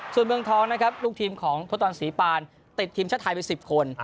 ส่วนเมืองท้องนะครับลูกทีมของทศตรรย์สีปานติดทีมชะทายไปสิบคน